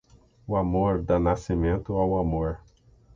O amor dá nascimento ao amor.